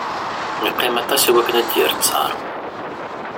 Yeqqim aṭas iwakken ad d-yerr ttar.